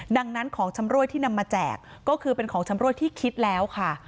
ดังนั้นของชำรวยที่นำมาแจกก็คือเป็นของชำรวยที่คิดแล้วค่ะ